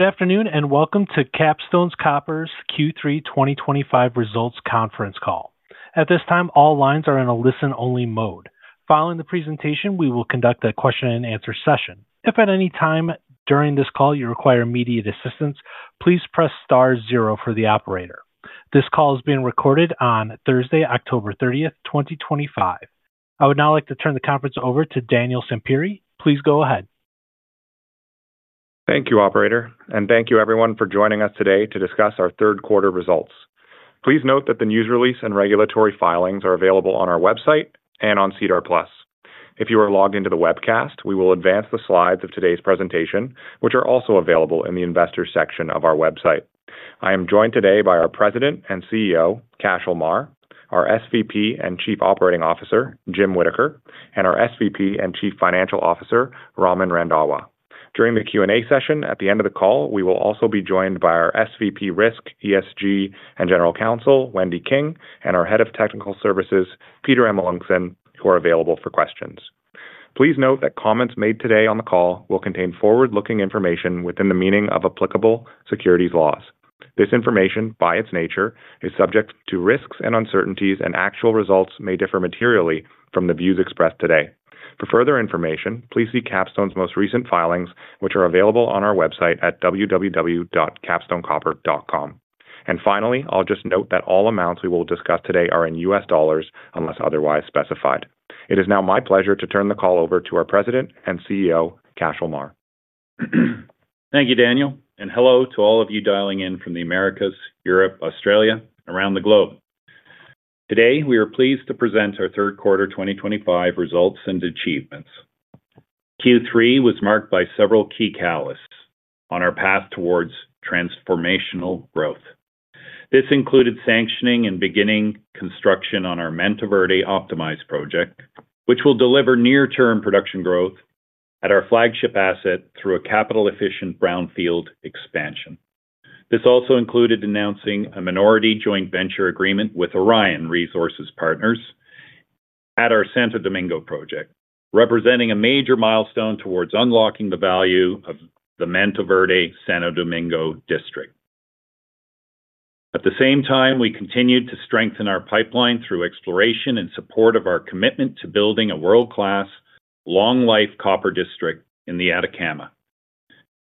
Good afternoon and welcome to Capstone Copper's Q3 2025 results conference call. At this time, all lines are in a listen-only mode. Following the presentation, we will conduct a question-and-answer session. If at any time during this call you require immediate assistance, please press star zero for the operator. This call is being recorded on Thursday, October 30, 2025. I would now like to turn the conference over to Daniel Sampieri. Please go ahead. Thank you, Operator, and thank you, everyone, for joining us today to discuss our third quarter results. Please note that the news release and regulatory filings are available on our website and on SEDAR+. If you are logged into the webcast, we will advance the slides of today's presentation, which are also available in the investor section of our website. I am joined today by our President and CEO, Cashel Meagher, our SVP and Chief Operating Officer, Jim Whittaker, and our SVP and Chief Financial Officer, Raman Randhawa. During the Q&A session at the end of the call, we will also be joined by our SVP, Risk, ESG, and General Counsel, Wendy King, and our Head of Technical Services, Peter Amelunxen, who are available for questions. Please note that comments made today on the call will contain forward-looking information within the meaning of applicable securities laws. This information, by its nature, is subject to risks and uncertainties, and actual results may differ materially from the views expressed today. For further information, please see Capstone Copper's most recent filings, which are available on our website at www.capstonecopper.com. Finally, I'll just note that all amounts we will discuss today are in U.S. dollars unless otherwise specified. It is now my pleasure to turn the call over to our President and CEO, Cashel Meagher. Thank you, Daniel, and hello to all of you dialing in from the Americas, Europe, Australia, and around the globe. Today, we are pleased to present our third quarter 2025 results and achievements. Q3 was marked by several key catalysts on our path towards transformational growth. This included sanctioning and beginning construction on our Mantoverde Optimized project, which will deliver near-term production growth at our flagship asset through a capital-efficient brownfield expansion. This also included announcing a minority joint venture agreement with Orion Resource Partners at our Santo Domingo project, representing a major milestone towards unlocking the value of the Mantoverde-Santo Domingo district. At the same time, we continued to strengthen our pipeline through exploration and support of our commitment to building a world-class, long-life copper district in the Atacama.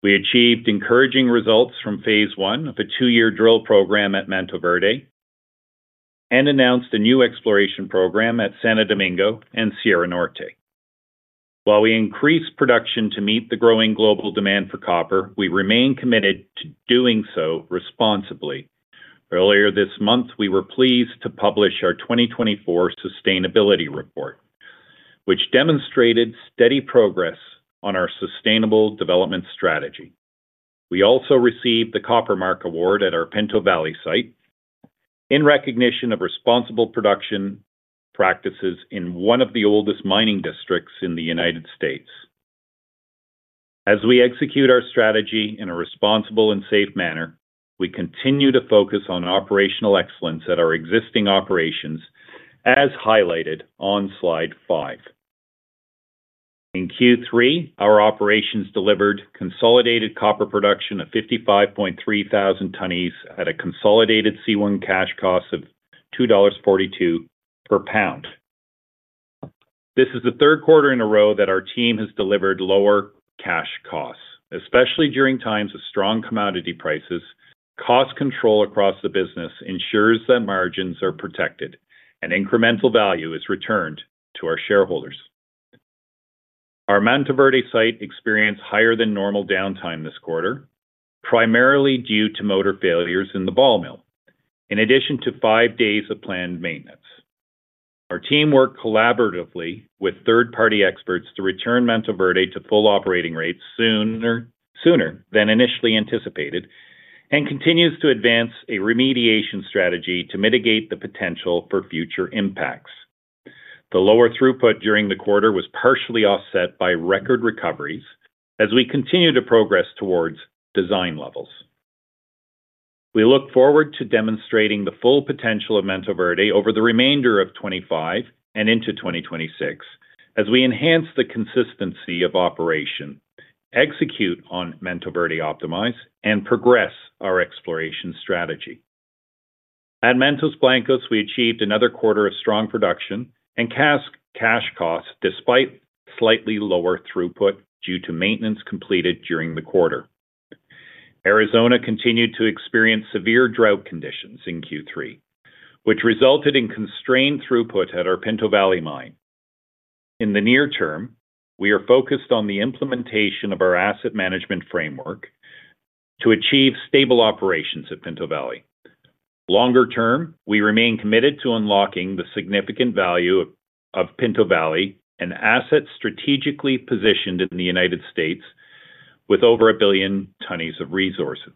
We achieved encouraging results from phase one of a two-year drill program at Mantoverde and announced a new exploration program at Santo Domingo and Sierra Norte. While we increase production to meet the growing global demand for copper, we remain committed to doing so responsibly. Earlier this month, we were pleased to publish our 2024 Sustainability Report, which demonstrated steady progress on our sustainable development strategy. We also received the Copper Mark award at our Pinto Valley site in recognition of responsible production practices in one of the oldest mining districts in the United States. As we execute our strategy in a responsible and safe manner, we continue to focus on operational excellence at our existing operations, as highlighted on slide 5. In Q3, our operations delivered consolidated copper production of 55,300 tons at a consolidated C1 cash cost of $2.42 per pound. This is the third quarter in a row that our team has delivered lower cash costs, especially during times of strong commodity prices. Cost control across the business ensures that margins are protected and incremental value is returned to our shareholders. Our Mantoverde site experienced higher-than-normal downtime this quarter, primarily due to motor failures in the ball mill, in addition to 5 days of planned maintenance. Our team worked collaboratively with third-party experts to return Mantoverde to full operating rates sooner than initially anticipated and continues to advance a remediation strategy to mitigate the potential for future impacts. The lower throughput during the quarter was partially offset by record recoveries as we continue to progress towards design levels. We look forward to demonstrating the full potential of Mantoverde over the remainder of 2025 and into 2026 as we enhance the consistency of operation, execute on Mantoverde Optimized, and progress our exploration strategy. At Mantos Blancos, we achieved another quarter of strong production and cash costs despite slightly lower throughput due to maintenance completed during the quarter. Arizona continued to experience severe drought conditions in Q3, which resulted in constrained throughput at our Pinto Valley mine. In the near term, we are focused on the implementation of our asset management framework to achieve stable operations at Pinto Valley. Longer-term, we remain committed to unlocking the significant value of Pinto Valley, an asset strategically positioned in the United States with over a billion tons of resources.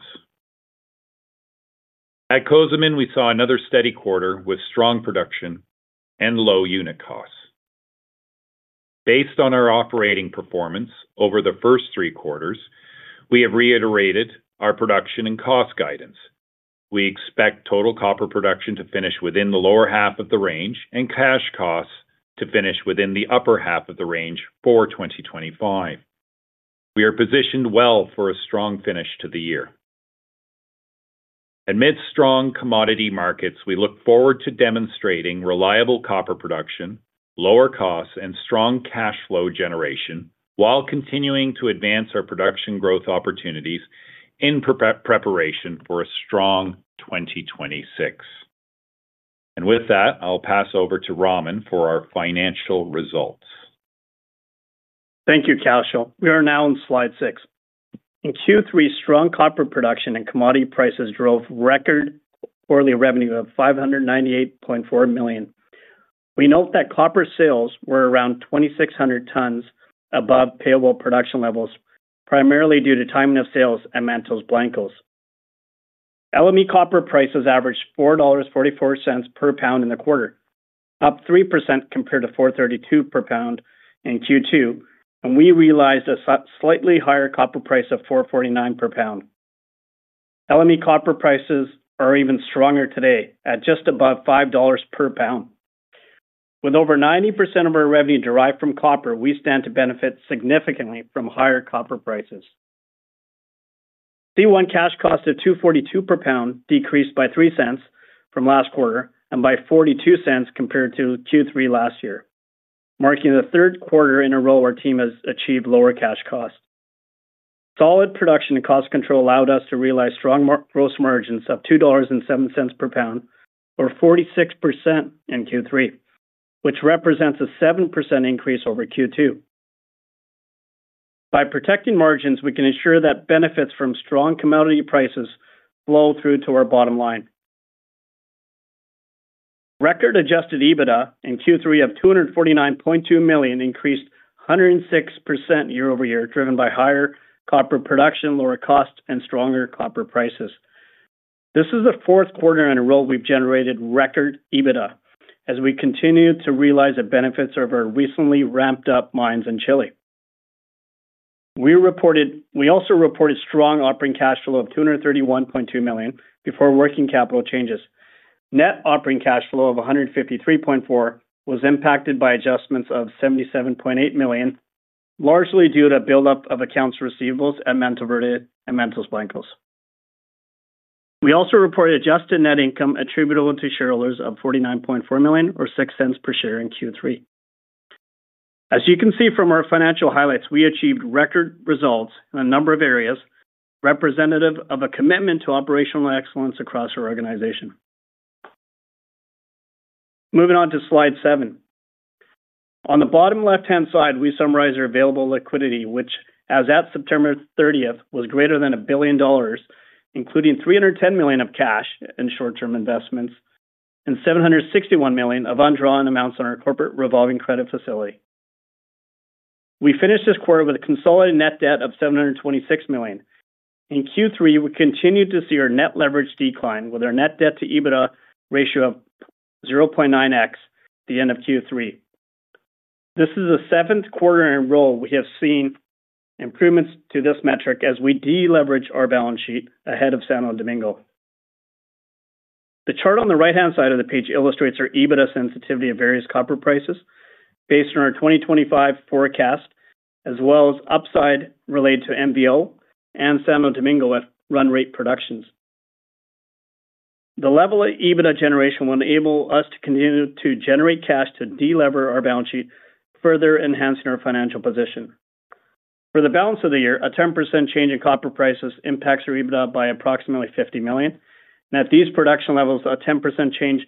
At Cozamin, we saw another steady quarter with strong production and low unit costs. Based on our operating performance over the first three quarters, we have reiterated our production and cost guidance. We expect total copper production to finish within the lower half of the range and cash costs to finish within the upper half of the range for 2025. We are positioned well for a strong finish to the year. Amidst strong commodity markets, we look forward to demonstrating reliable copper production, lower costs, and strong cash flow generation while continuing to advance our production growth opportunities in preparation for a strong 2026. With that, I'll pass over to Raman for our financial results. Thank you, Cashel. We are now on slide 6. In Q3, strong copper production and commodity prices drove record quarterly revenue of $598.4 million. We note that copper sales were around 2,600 tons above payable production levels, primarily due to timing of sales at Mantos Blancos. LME copper prices averaged $4.44 per pound in the quarter, up 3% compared to $4.32 per pound in Q2, and we realized a slightly higher copper price of $4.49 per pound. LME copper prices are even stronger today at just above $5 per pound. With over 90% of our revenue derived from copper, we stand to benefit significantly from higher copper prices. C1 cash cost of $2.42 per pound decreased by $0.03 from last quarter and by $0.42 compared to Q3 last year, marking the third quarter in a row our team has achieved lower cash cost. Solid production and cost control allowed us to realize strong gross margins of $2.07 per pound, or 46% in Q3, which represents a 7% increase over Q2. By protecting margins, we can ensure that benefits from strong commodity prices flow through to our bottom line. Record adjusted EBITDA in Q3 of $249.2 million increased 106% year-over-year, driven by higher copper production, lower costs, and stronger copper prices. This is the fourth quarter in a row we've generated record EBITDA as we continue to realize the benefits of our recently ramped-up mines in Chile. We also reported strong operating cash flow of $231.2 million before working capital changes. Net operating cash flow of $153.4 million was impacted by adjustments of $77.8 million, largely due to a build-up of accounts receivables at Mantos Blancos. We also reported adjusted net income attributable to shareholders of $49.4 million, or $0.06 per share in Q3. As you can see from our financial highlights, we achieved record results in a number of areas representative of a commitment to operational excellence across our organization. Moving on to slide 7. On the bottom left-hand side, we summarize our available liquidity, which, as at September 30th, was greater than $1 billion, including $310 million of cash in short-term investments and $761 million of undrawn amounts on our corporate revolving credit facility. We finished this quarter with a consolidated net debt of $726 million. In Q3, we continued to see our net leverage decline with our net debt-to-EBITDA ratio of 0.9x at the end of Q3. This is the seventh quarter in a row we have seen improvements to this metric as we deleverage our balance sheet ahead of Santo Domingo. The chart on the right-hand side of the page illustrates our EBITDA sensitivity of various copper prices based on our 2025 forecast, as well as upside related to MV-O and Santo Domingo at run rate productions. The level of EBITDA generation will enable us to continue to generate cash to deleverage our balance sheet, further enhancing our financial position. For the balance of the year, a 10% change in copper prices impacts our EBITDA by approximately $50 million, and at these production levels, a 10% change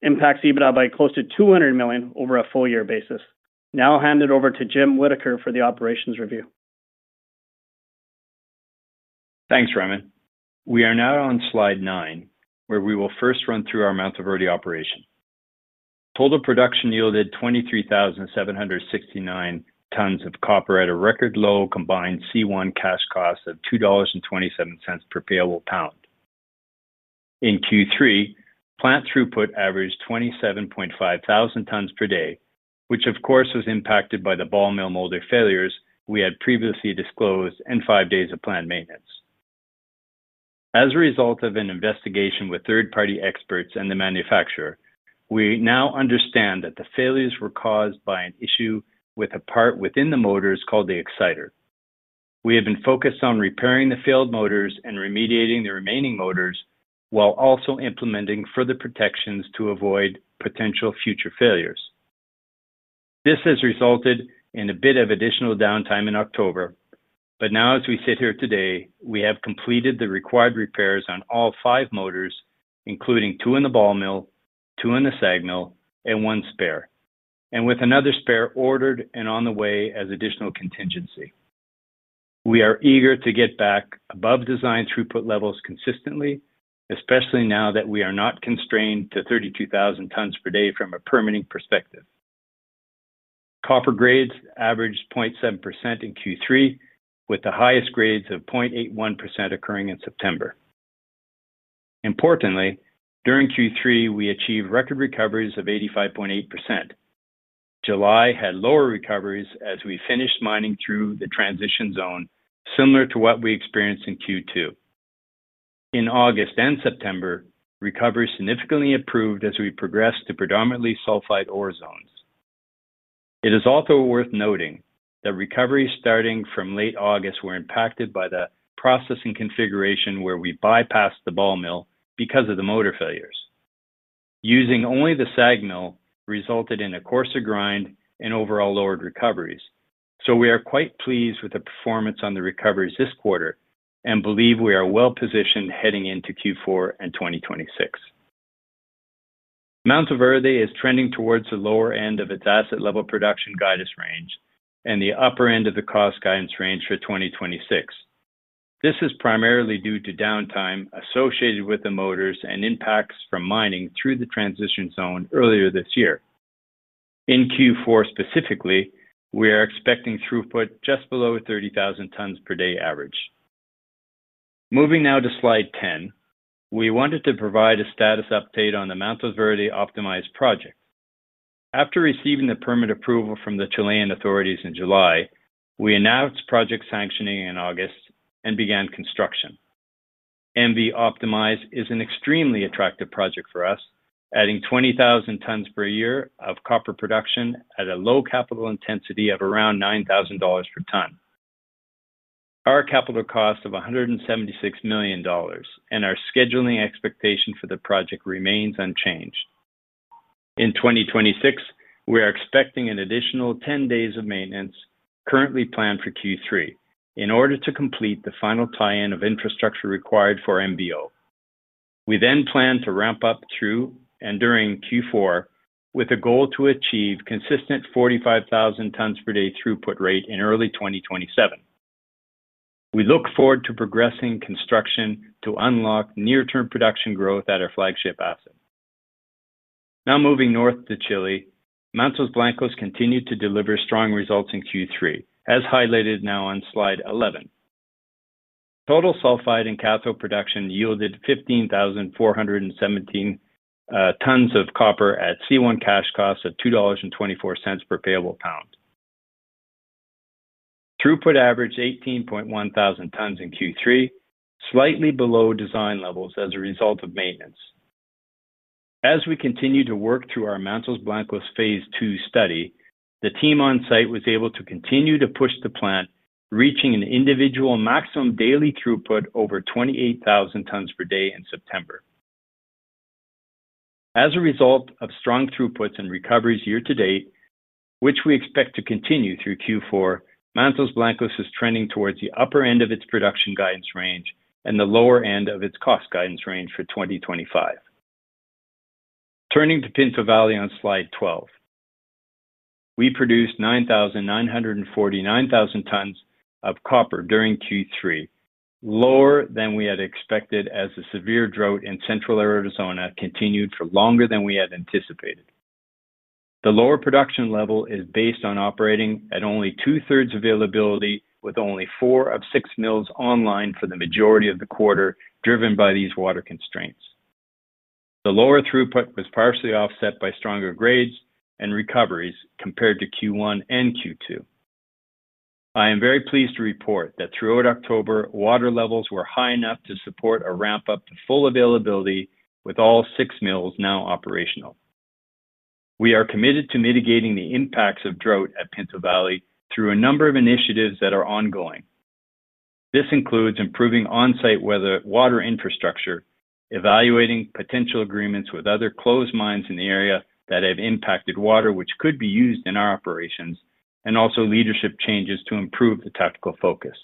impacts EBITDA by close to $200 million over a full year basis. Now I'll hand it over to Jim Whittaker for the operations review. Thanks, Raman. We are now on slide 9, where we will first run through our Mantoverde operation. Total production yielded 23,769 tons of copper at a record low combined C1 cash cost of $2.27 per payable pound. In Q3, plant throughput averaged 27,500 tons per day, which, of course, was impacted by the ball mill motor failures we had previously disclosed and 5 days of planned maintenance. As a result of an investigation with third-party experts and the manufacturer, we now understand that the failures were caused by an issue with a part within the motors called the exciter. We have been focused on repairing the failed motors and remediating the remaining motors while also implementing further protections to avoid potential future failures. This has resulted in a bit of additional downtime in October, but now, as we sit here today, we have completed the required repairs on all five motors, including two in the ball mill, two in the SAG mill, and one spare, with another spare ordered and on the way as additional contingency. We are eager to get back above design throughput levels consistently, especially now that we are not constrained to 32,000 tons per day from a permitting perspective. Copper grades averaged 0.7% in Q3, with the highest grades of 0.81% occurring in September. Importantly, during Q3, we achieved record recoveries of 85.8%. July had lower recoveries as we finished mining through the transition zone, similar to what we experienced in Q2. In August and September, recoveries significantly improved as we progressed to predominantly ton ore zones. It is also worth noting that recoveries starting from late August were impacted by the processing configuration where we bypassed the ball mill because of the motor failures. Using only the SAG mill resulted in a coarser grind and overall lowered recoveries, so we are quite pleased with the performance on the recoveries this quarter and believe we are well-positioned heading into Q4 and 2024. Mantoverde is trending towards the lower end of its asset-level production guidance range and the upper end of the cost guidance range for 2024. This is primarily due to downtime associated with the motors and impacts from mining through the transition zone earlier this year. In Q4 specifically, we are expecting throughput just below 30,000 tons per day average. Moving now to slide 10, we wanted to provide a status update on the Mantoverde Optimized project. After receiving the permit approval from the Chilean authorities in July, we announced project sanctioning in August and began construction. Mantoverde Optimized is an extremely attractive project for us, adding 20,000 tons per year of copper production at a low capital intensity of around $9,000 per ton. Our capital cost of $176 million. Our scheduling expectation for the project remains unchanged. In 2026, we are expecting an additional 10 days of maintenance currently planned for Q3 in order to complete the final tie-in of infrastructure required for MV-O. We then plan to ramp up throughput during Q4 with a goal to achieve consistent 45,000 tons per day throughput rate in early 2027. We look forward to progressing construction to unlock near-term production growth at our flagship asset. Now moving north to Chile, Mantos Blancos continued to deliver strong results in Q3, as highlighted now on slide 11. Total sulphide and cathode production yielded 15,417 tons of copper at C1 cash cost of $2.24 per payable pound. Throughput averaged 18,100 tons in Q3, slightly below design levels as a result of maintenance. As we continue to work through our Mantos Blancos Phase II study, the team on site was able to continue to push the plant, reaching an individual maximum daily throughput over 28,000 tons per day in September. As a result of strong throughputs and recoveries year to date, which we expect to continue through Q4, Mantos Blancos is trending towards the upper end of its production guidance range and the lower end of its cost guidance range for 2025. Turning to Pinto Valley on slide 12. We produced 9,949 tons of copper during Q3, lower than we had expected as the severe drought in central Arizona continued for longer than we had anticipated. The lower production level is based on operating at only 2/3 availability, with only four of six mills online for the majority of the quarter driven by these water constraints. The lower throughput was partially offset by stronger grades and recoveries compared to Q1 and Q2. I am very pleased to report that throughout October, water levels were high enough to support a ramp-up to full availability, with all six mills now operational. We are committed to mitigating the impacts of drought at Pinto Valley through a number of initiatives that are ongoing. This includes improving on-site weather water infrastructure, evaluating potential agreements with other closed mines in the area that have impacted water, which could be used in our operations, and also leadership changes to improve the tactical focus.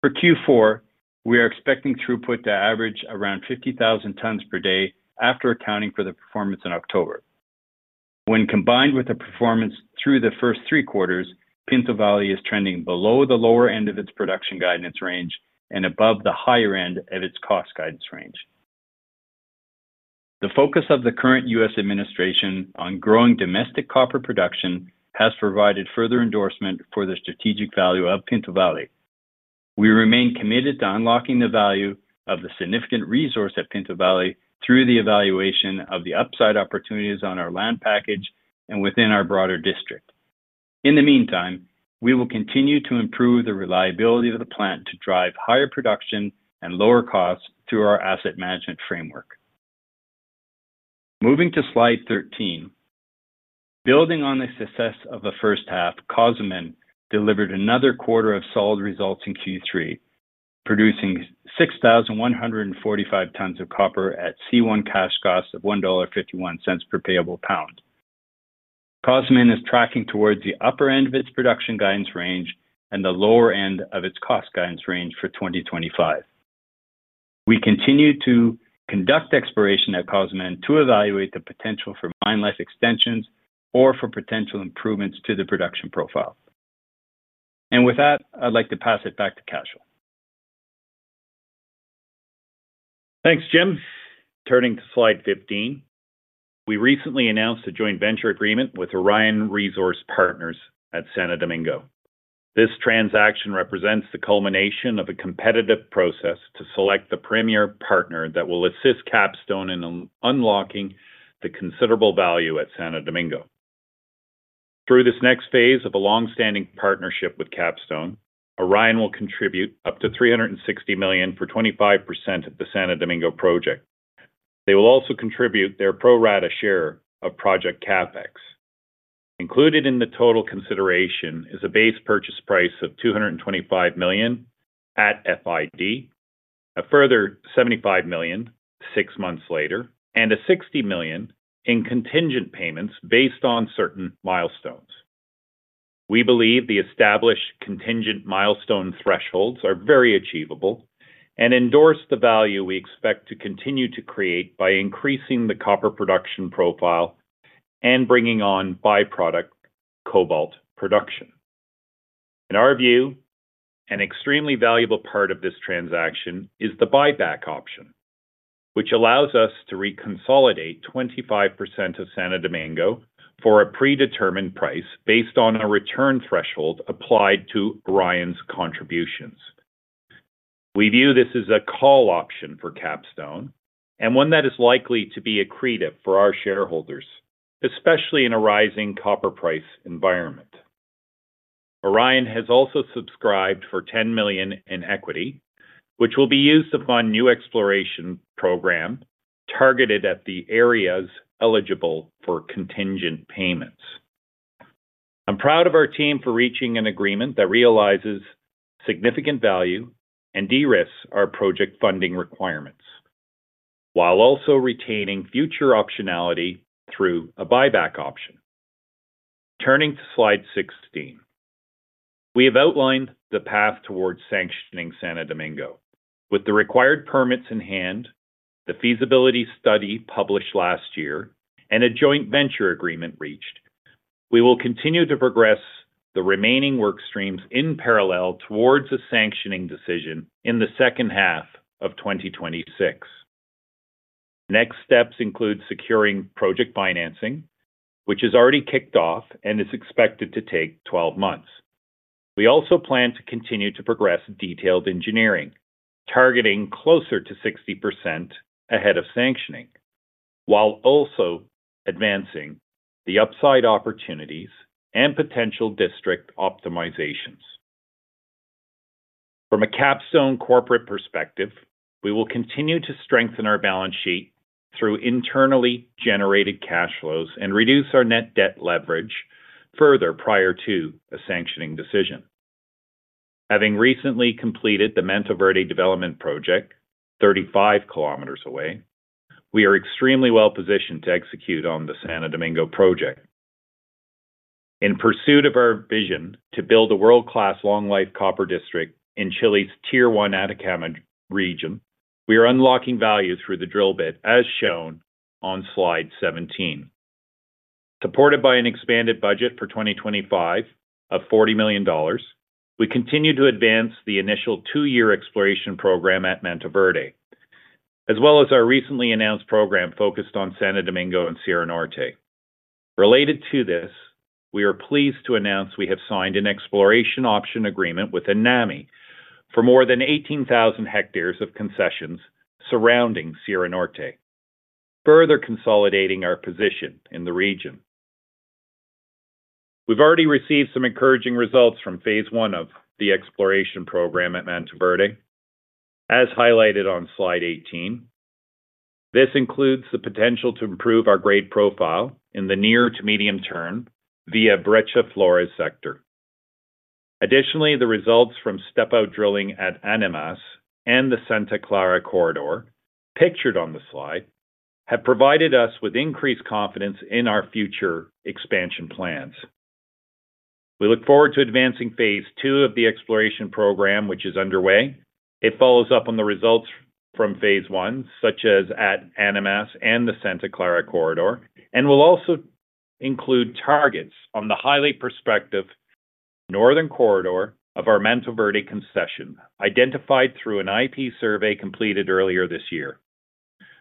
For Q4, we are expecting throughput to average around 50,000 tons per day after accounting for the performance in October. When combined with the performance through the first three quarters, Pinto Valley is trending below the lower end of its production guidance range and above the higher end of its cost guidance range. The focus of the current U.S. administration on growing domestic copper production has provided further endorsement for the strategic value of Pinto Valley. We remain committed to unlocking the value of the significant resource at Pinto Valley through the evaluation of the upside opportunities on our land package and within our broader district. In the meantime, we will continue to improve the reliability of the plant to drive higher production and lower costs through our asset management framework. Moving to slide 13. Building on the success of the first half, Cozamin delivered another quarter of solid results in Q3, producing 6,145 tons of copper at C1 cash cost of $1.51 per payable pound. Cozamin is tracking towards the upper end of its production guidance range and the lower end of its cost guidance range for 2025. We continue to conduct exploration at Cozamin to evaluate the potential for mine life extensions or for potential improvements to the production profile. With that, I'd like to pass it back to Cashel. Thanks, Jim. Turning to slide 15. We recently announced a joint venture agreement with Orion Resource Partners at Santo Domingo. This transaction represents the culmination of a competitive process to select the premier partner that will assist Capstone Copper in unlocking the considerable value at Santo Domingo. Through this next phase of a long-standing partnership with Capstone Copper, Orion will contribute up to $360 million for 25% of the Santo Domingo project. They will also contribute their pro rata share of project CapEx. Included in the total consideration is a base purchase price of $225 million at FID, a further $75 million 6 months later, and $60 million in contingent payments based on certain milestones. We believe the established contingent milestone thresholds are very achievable and endorse the value we expect to continue to create by increasing the copper production profile and bringing on by-product cobalt production. In our view, an extremely valuable part of this transaction is the buyback option, which allows us to reconsolidate 25% of Santo Domingo for a predetermined price based on a return threshold applied to Orion's contributions. We view this as a call option for Capstone and one that is likely to be accretive for our shareholders, especially in a rising copper price environment. Orion has also subscribed for $10 million in equity, which will be used to fund a new exploration program targeted at the areas eligible for contingent payments. I'm proud of our team for reaching an agreement that realizes significant value and de-risks our project funding requirements while also retaining future optionality through a buyback option. Turning to slide 16. We have outlined the path towards sanctioning Santo Domingo. With the required permits in hand, the feasibility study published last year, and a joint venture agreement reached, we will continue to progress the remaining workstreams in parallel towards a sanctioning decision in the second half of 2026. Next steps include securing project financing, which has already kicked off and is expected to take 12 months. We also plan to continue to progress detailed engineering, targeting closer to 60% ahead of sanctioning, while also advancing the upside opportunities and potential district optimizations. From a Capstone corporate perspective, we will continue to strengthen our balance sheet through internally generated cash flows and reduce our net debt leverage further prior to a sanctioning decision. Having recently completed the Mantoverde development project, 35 km away, we are extremely well-positioned to execute on the Santo Domingo project. In pursuit of our vision to build a world-class long-life copper district in Chile's Tier One Atacama region, we are unlocking value through the drill bit, as shown on slide 17. Supported by an expanded budget for 2025 of $40 million, we continue to advance the initial 2-year exploration program at Mantoverde, as well as our recently announced program focused on Santo Domingo and Sierra Norte. Related to this, we are pleased to announce we have signed an exploration option agreement with ENAMI for more than 18,000 hectares of concessions surrounding Sierra Norte, further consolidating our position in the region. We've already received some encouraging results from phase I of the exploration program at Mantoverde, as highlighted on slide 18. This includes the potential to improve our grade profile in the near to medium term via Breccia Flores sector. Additionally, the results from step-out drilling at Animas and the Santa Clara Corridor, pictured on the slide, have provided us with increased confidence in our future expansion plans. We look forward to advancing phase II of the exploration program, which is underway. It follows up on the results from phase II, such as at Animas and the Santa Clara corridor, and will also include targets on the highly prospective northern corridor of our Mantoverde concession identified through an IP survey completed earlier this year.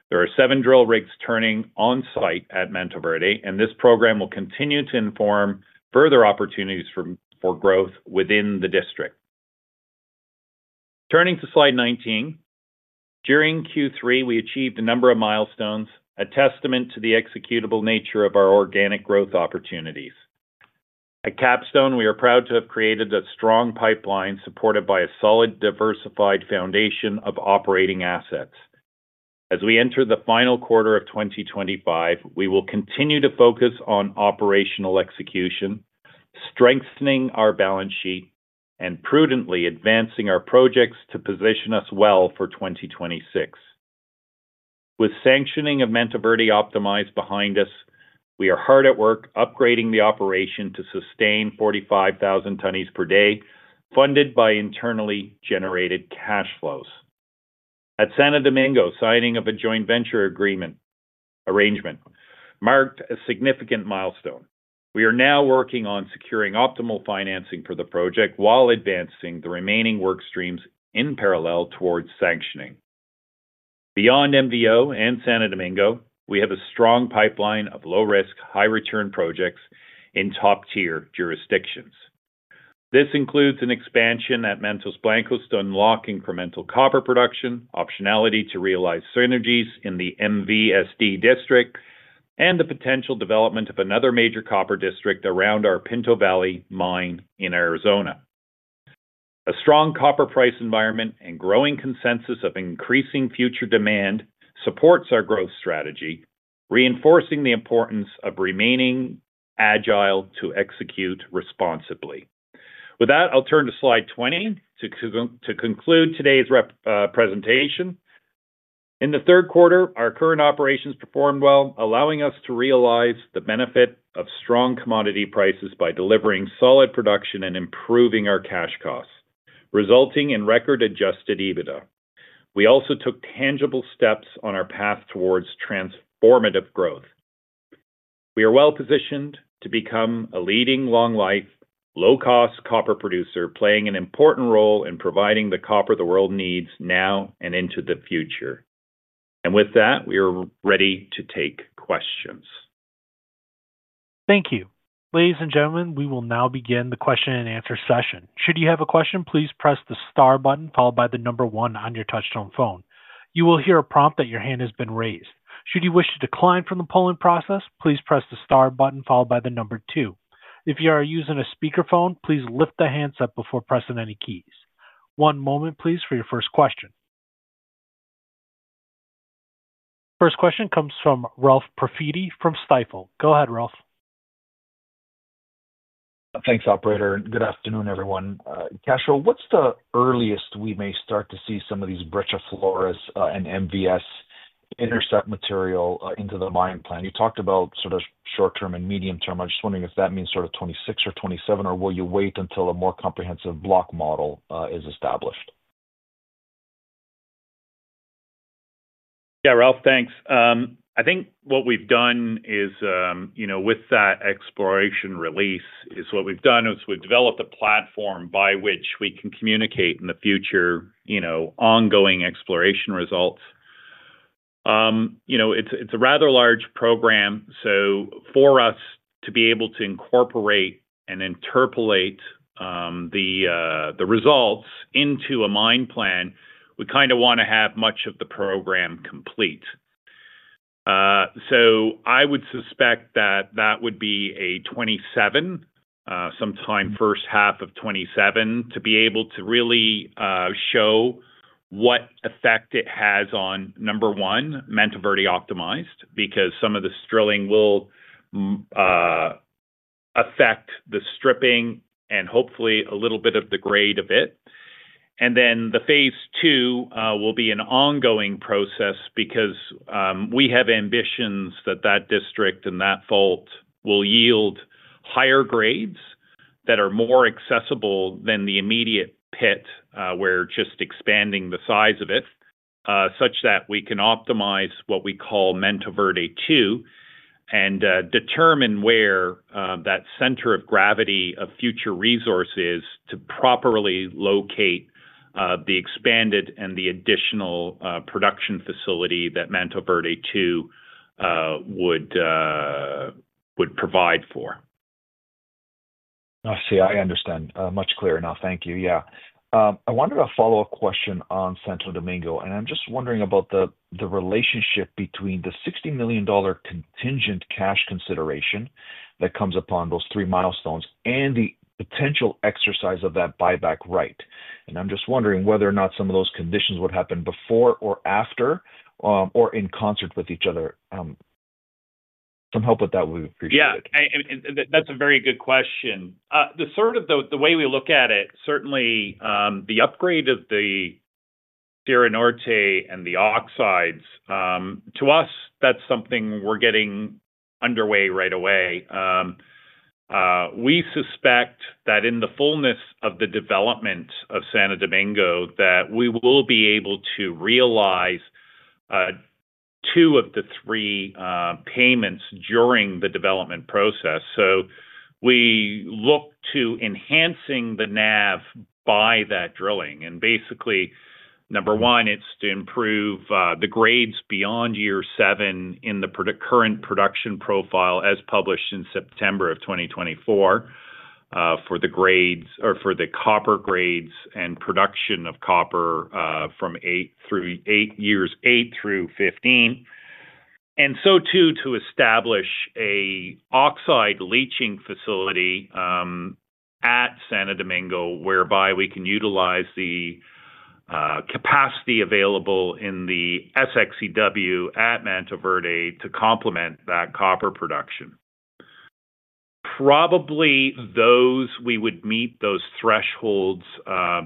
There are seven drill rigs turning onsite at Mantoverde, and this program will continue to inform further opportunities for growth within the district. Turning to slide 19. During Q3, we achieved a number of milestones, a testament to the executable nature of our organic growth opportunities. At Capstone Copper, we are proud to have created a strong pipeline supported by a solid, diversified foundation of operating assets. As we enter the final quarter of 2025, we will continue to focus on operational execution, strengthening our balance sheet, and prudently advancing our projects to position us well for 2026. With sanctioning of Mantoverde Optimized behind us, we are hard at work upgrading the operation to sustain 45,000 tons per day, funded by internally generated cash flows. At Santo Domingo, signing of a joint venture agreement arrangement marked a significant milestone. We are now working on securing optimal financing for the project while advancing the remaining workstreams in parallel towards sanctioning. Beyond MV-O and Santo Domingo, we have a strong pipeline of low-risk, high-return projects in top-tier jurisdictions. This includes an expansion at Mantos Blancos to unlock incremental copper production, optionality to realize synergies in the MV-SD district, and the potential development of another major copper district around our Pinto Valley mine in Arizona. A strong copper price environment and growing consensus of increasing future demand supports our growth strategy, reinforcing the importance of remaining agile to execute responsibly. With that, I'll turn to slide 20 to conclude today's presentation. In the third quarter, our current operations performed well, allowing us to realize the benefit of strong commodity prices by delivering solid production and improving our cash costs, resulting in record adjusted EBITDA. We also took tangible steps on our path towards transformative growth. We are well-positioned to become a leading long-life, low-cost copper producer, playing an important role in providing the copper the world needs now and into the future. We are ready to take questions. Thank you. Ladies and gentlemen, we will now begin the question-and-answer session. Should you have a question, please press the star button followed by the number one on your touch-tone phone. You will hear a prompt that your hand has been raised. Should you wish to decline from the polling process, please press the star button followed by the number two. If you are using a speakerphone, please lift the handset before pressing any keys. One moment, please, for your first question. First question comes from Ralph Profiti from Stifel. Go ahead, Ralph. Thanks, Operator. Good afternoon, everyone. Cashel, what's the earliest we may start to see some of these Breccia Flores and MV-S intercept material into the mine plan? You talked about sort of short-term and medium-term. I'm just wondering if that means sort of 2026 or 2027, or will you wait until a more comprehensive block model is established? Yeah, Ralph, thanks. I think what we've done is, with that exploration release, we've developed a platform by which we can communicate in the future ongoing exploration results. It's a rather large program, so for us to be able to incorporate and interpolate the results into a mine plan, we kind of want to have much of the program complete. I would suspect that that would be a 2027, sometime first half of 2027, to be able to really show what effect it has on, number one, Mantoverde Optimized, because some of the drilling will affect the stripping and hopefully a little bit of the grade of it. The phase II will be an ongoing process because we have ambitions that that district and that fault will yield higher grades that are more accessible than the immediate pit where just expanding the size of it, such that we can optimize what we call Mantoverde II and determine where that center of gravity of future resources is to properly locate the expanded and the additional production facility that Mantoverde II would provide for. I see. I understand much clearer now. Thank you. I wanted a follow-up question on Santo Domingo, and I'm just wondering about the relationship between the $60 million contingent cash consideration that comes upon those three milestones and the potential exercise of that buyback right. I'm just wondering whether or not some of those conditions would happen before or after, or in concert with each other. Some help with that would be appreciated. Yeah. That's a very good question. The way we look at it, certainly the upgrade of the Sierra Norte and the oxides, to us, that's something we're getting underway right away. We suspect that in the fullness of the development of Santo Domingo, that we will be able to realize two of the three payments during the development process. We look to enhancing the NAV by that drilling. Basically, number one, it's to improve the grades beyond year seven in the current production profile as published in September of 2024 for the grades or for the copper grades and production of copper from 8-15. Also, to establish an oxide leaching facility at Santo Domingo, whereby we can utilize the capacity available in the SX-EW at Mantoverde to complement that copper production. Probably we would meet those thresholds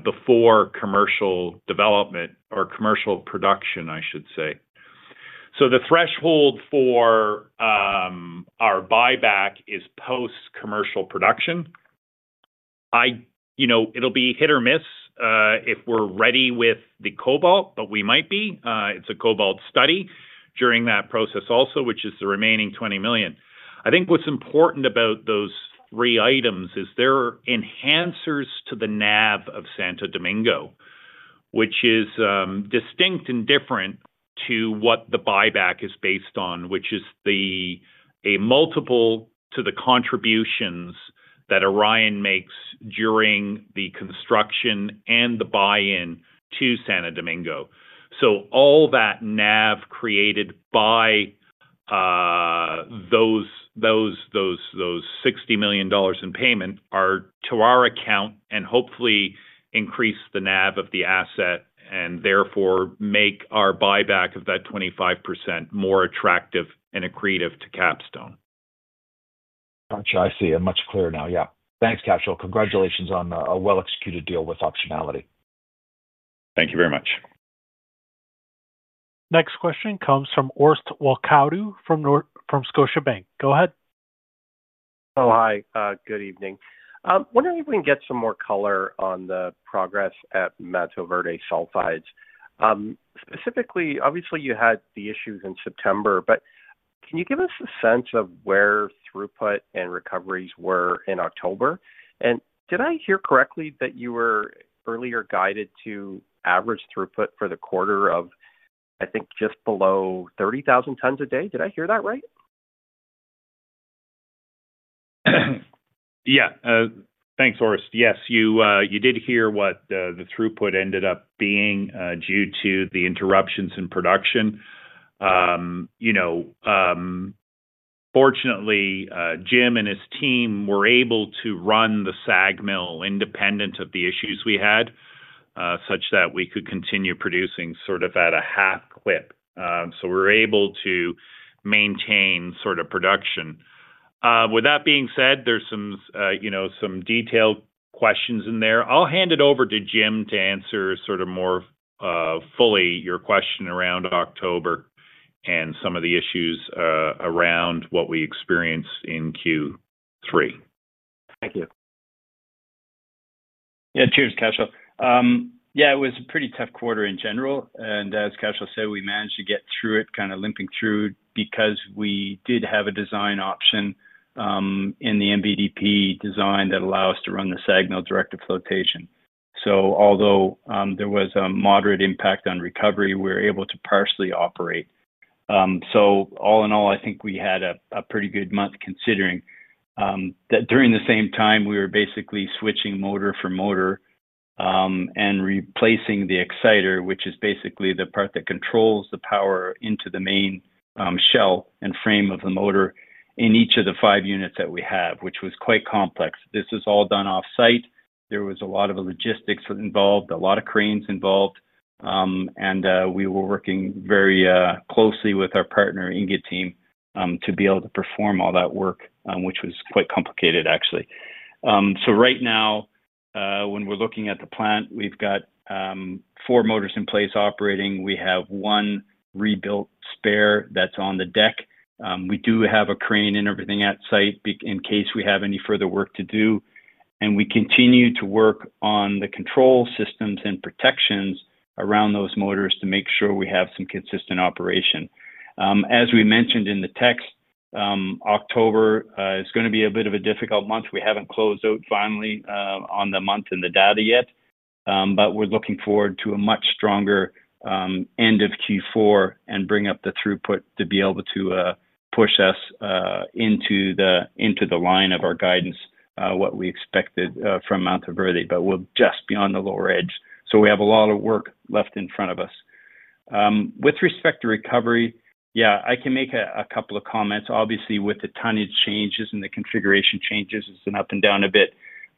before commercial development or commercial production, I should say. The threshold for our buyback is post-commercial production. It'll be hit or miss if we're ready with the cobalt, but we might be. It's a cobalt study during that process also, which is the remaining $20 million. I think what's important about those three items is they're enhancers to the NAV of Santo Domingo, which is distinct and different to what the buyback is based on, which is a multiple to the contributions that Orion makes during the construction and the buy-in to Santo Domingo. All that NAV created by those $60 million in payment are to our account and hopefully increase the NAV of the asset and therefore make our buyback of that 25% more attractive and accretive to Capstone. Gotcha. I see. I'm much clearer now. Thanks, Cashel. Congratulations on a well-executed deal with optionality. Thank you very much. Next question comes from Orest Wowkodaw from Scotiabank. Go ahead. Oh, hi. Good evening. Wondering if we can get some more color on the progress at Mantoverde sulphides. Specifically, obviously, you had the issues in September. Can you give us a sense of where throughput and recoveries were in October? Did I hear correctly that you were earlier guided to average throughput for the quarter of, I think, just below 30,000 tons a day? Did I hear that right? Yeah. Thanks, Orest. Yes, you did hear what the throughput ended up being due to the interruptions in production. Fortunately, Jim and his team were able to run the SAG mill independent of the issues we had, such that we could continue producing sort of at a half-clip. We were able to maintain sort of production. With that being said, there's some detailed questions in there. I'll hand it over to Jim to answer more fully your question around October and some of the issues around what we experienced in Q3. Thank you. Yeah. Cheers, Cashel. Yeah, it was a pretty tough quarter in general. As Cashel said, we managed to get through it kind of limping through because we did have a design option in the MVDP design that allows us to run the SAG mill direct to flotation. Although there was a moderate impact on recovery, we were able to partially operate. All-in-all, I think we had a pretty good month considering that during the same time, we were basically switching motor-for-motor and replacing the exciter, which is basically the part that controls the power into the main shell and frame of the motor in each of the five units that we have, which was quite complex. This was all done off-site. There was a lot of logistics involved, a lot of cranes involved. We were working very closely with our partner Ingeteam to be able to perform all that work, which was quite complicated, actually. Right now, when we're looking at the plant, we've got four motors in place operating. We have one rebuilt spare that's on the deck. We do have a crane and everything at site in case we have any further work to do. We continue to work on the control systems and protections around those motors to make sure we have some consistent operation. As we mentioned in the text, October is going to be a bit of a difficult month. We haven't closed out finally on the month and the data yet, but we're looking forward to a much stronger end of Q4 and bringing up the throughput to be able to push us into the line of our guidance, what we expected from Mantoverde, but we'll just be on the lower edge. We have a lot of work left in front of us. With respect to recovery, yeah, I can make a couple of comments. Obviously, with the tonnage changes and the configuration changes, it's been up and down a bit.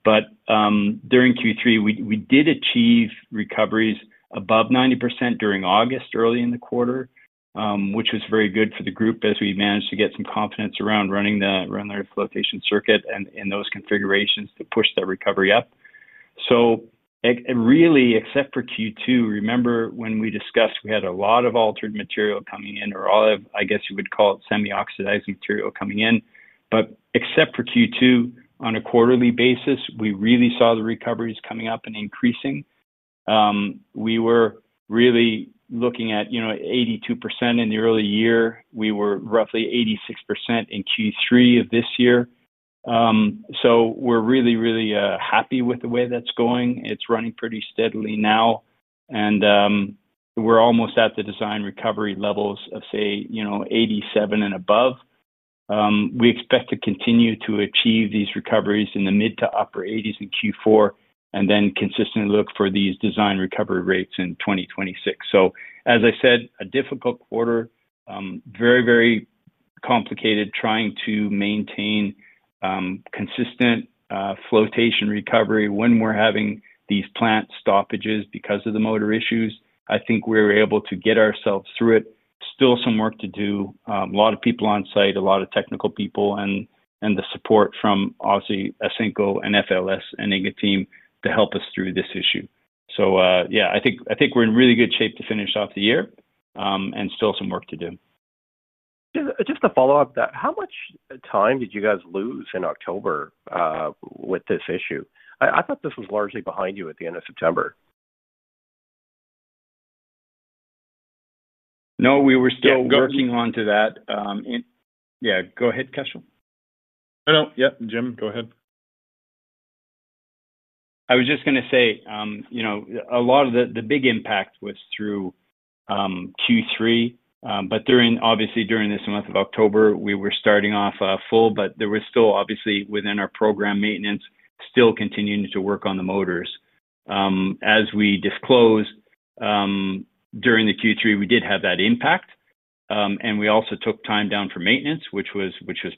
During Q3, we did achieve recoveries above 90% during August, early in the quarter, which was very good for the group as we managed to get some confidence around running the flotation circuit and those configurations to push that recovery up. Except for Q2, remember when we discussed we had a lot of altered material coming in or all of, I guess you would call it semi-oxidizing material coming in. Except for Q2, on a quarterly basis, we really saw the recoveries coming up and increasing. We were really looking at 82% in the early year. We were roughly 86% in Q3 of this year. We're really, really happy with the way that's going. It's running pretty steadily now. We're almost at the design recovery levels of, say, 87% and above. We expect to continue to achieve these recoveries in the mid to upper 80% in Q4 and then consistently look for these design recovery rates in 2026. As I said, a difficult quarter. Very, very complicated trying to maintain consistent flotation recovery when we're having these plant stoppages because of the motor issues. I think we're able to get ourselves through it. Still some work to do. A lot of people on site, a lot of technical people, and the support from obviously Ausenco and FLS and Ingeteam to help us through this issue. I think we're in really good shape to finish off the year and still some work to do. Just a follow-up. How much time did you guys lose in October with this issue? I thought this was largely behind you at the end of September. No, we were still working on that. Yeah. Go ahead, Cashel. No, yeah. Jim, go ahead. I was just going to say, a lot of the big impact was through Q3. Obviously, during this month of October, we were starting off full, but there was still, obviously, within our program maintenance, still continuing to work on the motors. As we disclosed during Q3, we did have that impact. We also took time down for maintenance, which was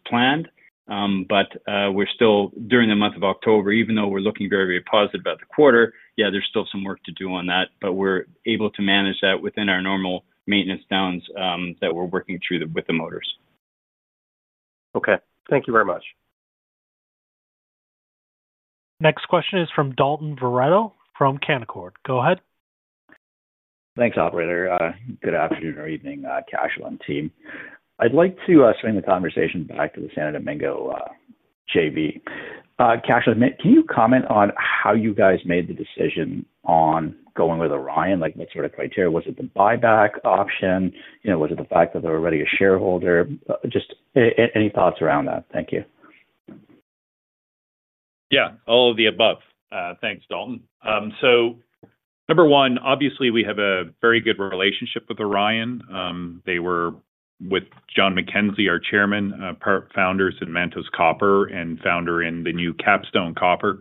planned. We're still, during the month of October, even though we're looking very, very positive about the quarter, there's still some work to do on that, but we're able to manage that within our normal maintenance downs that we're working through with the motors. Okay, thank you very much. Next question is from Dalton Baretto from Canaccord. Go ahead. Thanks, operator. Good afternoon or evening, Cashel and team. I'd like to swing the conversation back to the Santo Domingo JV. Cashel, can you comment on how you guys made the decision on going with Orion? Like what sort of criteria? Was it the buyback option? Was it the fact that they were already a shareholder? Just any thoughts around that? Thank you. Yeah. All of the above. Thanks, Dalton. Number one, obviously, we have a very good relationship with Orion. They were with John MacKenzie, our Chairman, part founders at Mantos Copper and founder in the new Capstone Copper.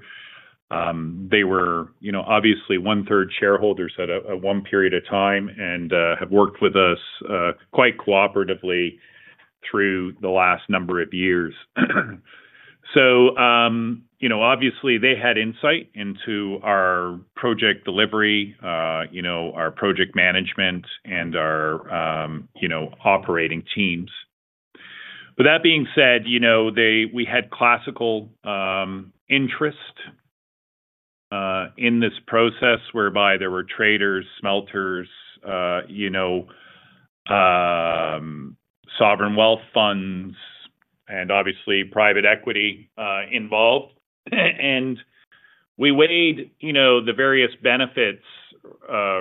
They were obviously 1/3 shareholders at one period of time and have worked with us quite cooperatively through the last number of years. They had insight into our project delivery, our project management, and our operating teams. With that being said, we had classical interest in this process whereby there were traders, smelters, sovereign wealth funds, and obviously private equity involved. We weighed the various benefits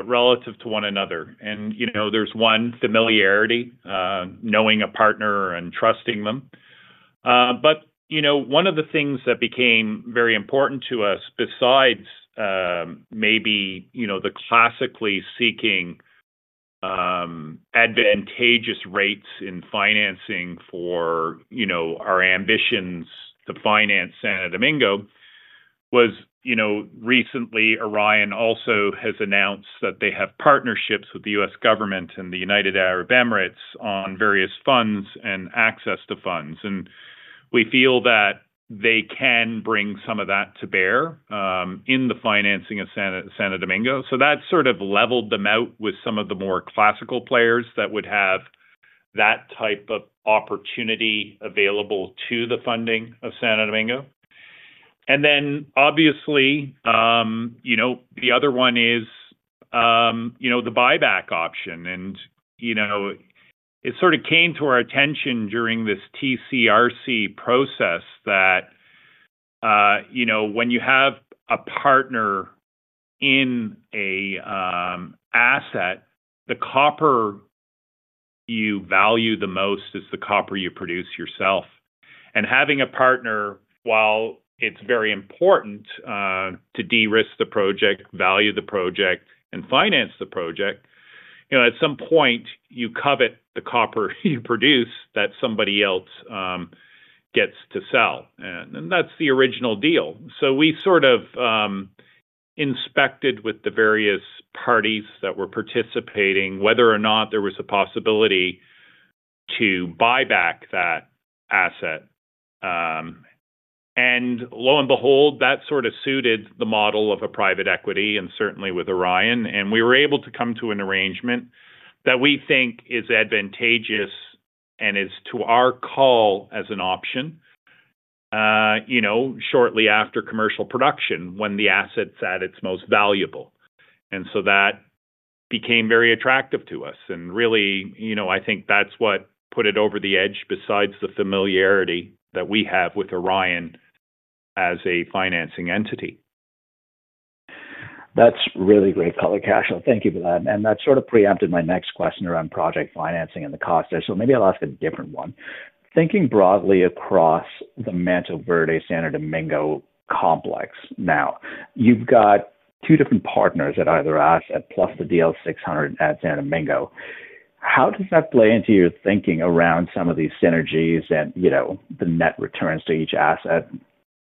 relative to one another, and there's one familiarity, knowing a partner and trusting them. One of the things that became very important to us, besides maybe the classically seeking advantageous rates in financing for our ambitions to finance Santo Domingo, was recently Orion also has announced that they have partnerships with the U.S. government and the United Arab Emirates on various funds and access to funds. We feel that they can bring some of that to bear in the financing of Santo Domingo. That sort of leveled them out with some of the more classical players that would have that type of opportunity available to the funding of Santo Domingo. The other one is the buyback option. It sort of came to our attention during this TCRC process that when you have a partner in an asset, the copper you value the most is the copper you produce yourself. Having a partner, while it's very important to de-risk the project, value the project, and finance the project, at some point, you covet the copper you produce that somebody else gets to sell, and that's the original deal. We sort of inspected with the various parties that were participating whether or not there was a possibility to buy back that asset, and lo and behold, that sort of suited the model of a private equity and certainly with Orion. We were able to come to an arrangement that we think is advantageous and is to our call as an option shortly after commercial production when the asset's at its most valuable. That became very attractive to us. I think that's what put it over the edge besides the familiarity that we have with Orion as a financing entity. That's really great, Cashel. Thank you for that. That sort of preempted my next question around project financing and the cost there. Maybe I'll ask a different one. Thinking broadly across the Mantoverde-Santo Domingo complex now, you've got two different partners at either asset plus the DL600 at Santo Domingo. How does that play into your thinking around some of these synergies and the net returns to each asset?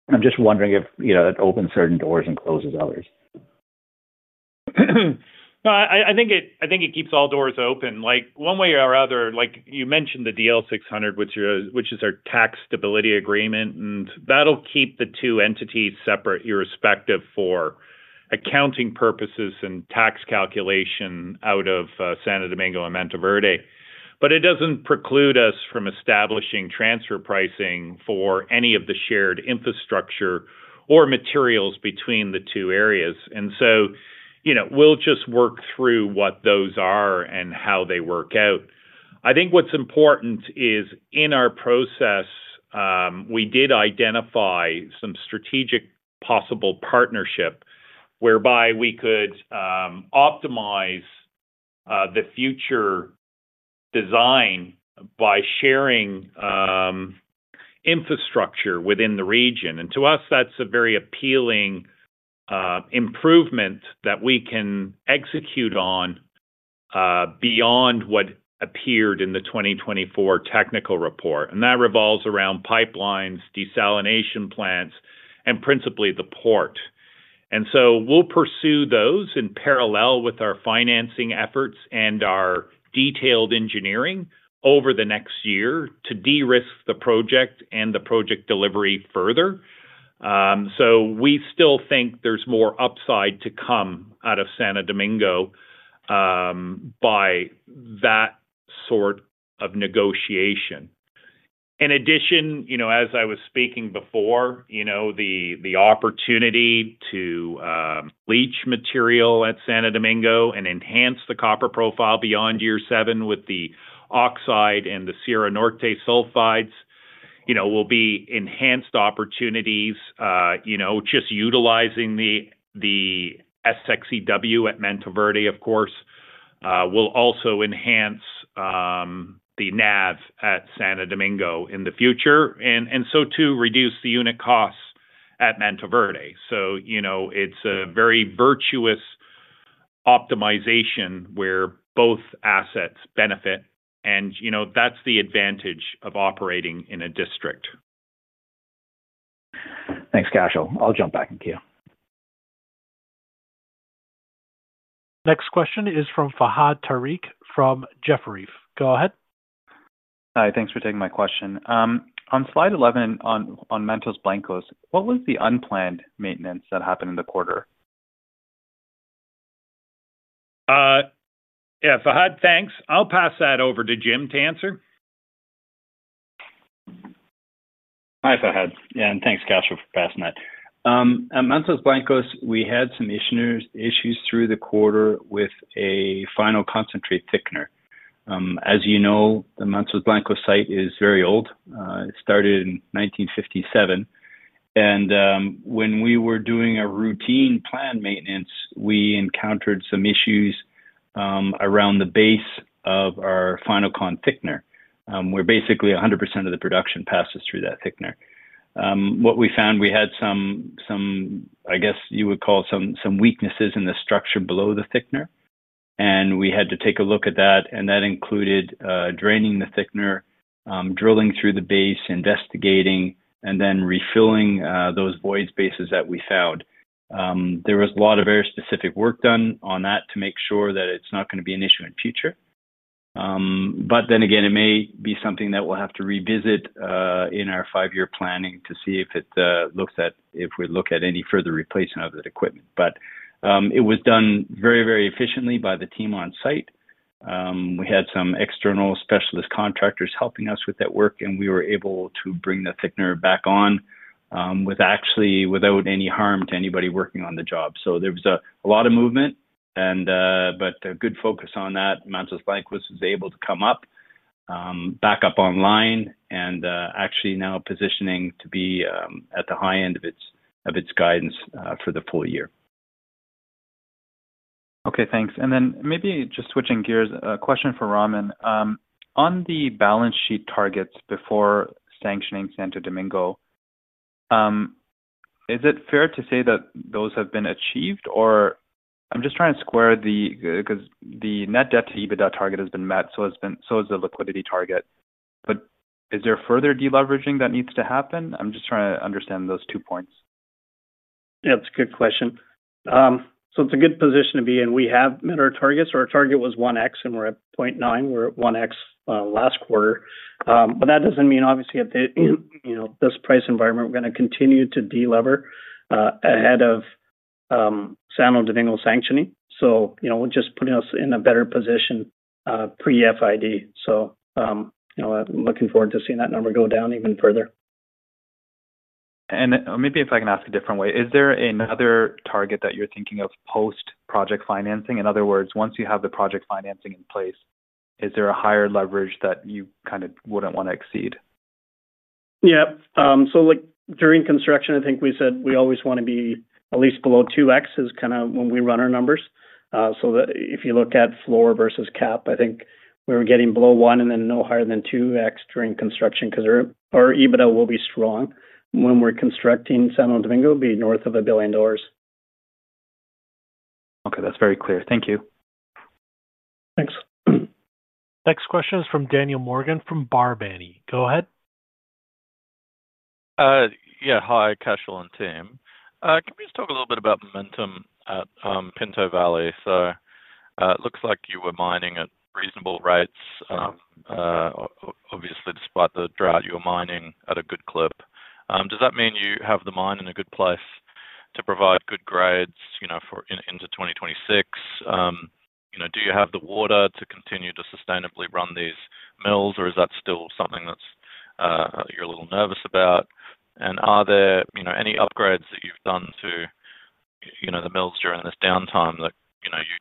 I'm just wondering if it opens certain doors and closes others. No, I think it keeps all doors open. One way or other, you mentioned the DL600, which is our tax stability agreement, and that'll keep the two entities separate irrespective for accounting purposes and tax calculation out of Santo Domingo and Mantoverde. It doesn't preclude us from establishing transfer pricing for any of the shared infrastructure or materials between the two areas. We'll just work through what those are and how they work out. I think what's important is in our process we did identify some strategic possible partnership whereby we could optimize the future design by sharing infrastructure within the region. To us, that's a very appealing improvement that we can execute on beyond what appeared in the 2024 technical report. That revolves around pipelines, desalination plants, and principally the port. We'll pursue those in parallel with our financing efforts and our detailed engineering over the next year to de-risk the project and the project delivery further. We still think there's more upside to come out of Santo Domingo by that sort of negotiation. In addition, as I was speaking before, the opportunity to leach material at Santo Domingo and enhance the copper profile beyond year seven with the oxide and the Sierra Norte sulphides will be enhanced opportunities. Just utilizing the SX-EW at Mantoverde, of course, will also enhance the NAV at Santo Domingo in the future and reduce the unit costs at Mantoverde. It's a very virtuous optimization where both assets benefit. That's the advantage of operating in a district. Thanks, Cashel. I'll jump back in here. Next question is from Fahad Tariq from Jefferies. Go ahead. Hi. Thanks for taking my question. On slide 11 on Mantos Blancos, what was the unplanned maintenance that happened in the quarter? Yeah, Fahad, thanks. I'll pass that over to Jim to answer. Hi, Fahad. Yeah. Thanks, Cashel, for passing that. At Mantos Blancos, we had some issues through the quarter with a final concentrate thickener. As you know, the Mantos Blancos site is very old. It started in 1957. When we were doing a routine planned maintenance, we encountered some issues around the base of our final con thickener, where basically 100% of the production passes through that thickener. What we found, we had some, I guess you would call some weaknesses in the structure below the thickener. We had to take a look at that, and that included draining the thickener, drilling through the base, investigating, and then refilling those void spaces that we found. There was a lot of very specific work done on that to make sure that it's not going to be an issue in the future. It may be something that we'll have to revisit in our 5-year planning to see if we look at any further replacement of that equipment. It was done very, very efficiently by the team on-site. We had some external specialist contractors helping us with that work, and we were able to bring the thickener back on without any harm to anybody working on the job. There was a lot of movement, but a good focus on that. Mantos Blancos was able to come back up online, and actually now positioning to be at the high end of its guidance for the full year. Okay. Thanks. Maybe just switching gears, a question for Raman. On the balance sheet targets before sanctioning Santo Domingo, is it fair to say that those have been achieved? I'm just trying to square that because the net debt-to-EBITDA target has been met, so has the liquidity target. Is there further deleveraging that needs to happen? I'm just trying to understand those two points. Yeah. That's a good question. It's a good position to be in. We have met our targets. Our target was 1x, and we're at 0.9x. We were at 1x last quarter. That doesn't mean, obviously, at this price environment, we're going to continue to delever ahead of Santo Domingo sanctioning. We're just putting us in a better position pre-FID. I'm looking forward to seeing that number go down even further. Is there another target that you're thinking of post-project financing? In other words, once you have the project financing in place, is there a higher leverage that you kind of wouldn't want to exceed? During construction, I think we said we always want to be at least below 2x is kind of when we run our numbers. If you look at floor versus cap, I think we were getting below 1x and then no higher than 2x during construction because our EBITDA will be strong. When we're constructing Santo Domingo, it'll be north of $1 billion. Okay, that's very clear. Thank you. Thanks. Next question is from Daniel Morgan from Barrenjoey. Go ahead. Yeah. Hi, Cashel and team. Can we just talk a little bit about momentum at Pinto Valley? It looks like you were mining at reasonable rates. Obviously, despite the drought, you were mining at a good clip. Does that mean you have the mine in a good place to provide good grades into 2026? Do you have the water to continue to sustainably run these mills, or is that still something that's a little nervous? Are there any upgrades that you've done to the mills during this downtime that